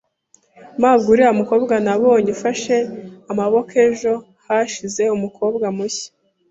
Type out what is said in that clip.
mabwa, uriya mukobwa nakubonye ufashe amaboko ejo hashize umukobwa mushya?